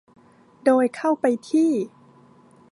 โดยเข้าไปที่